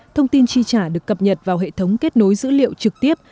thông tin chi trả được cập nhật vào hệ thống kết nối dữ liệu trực tiếp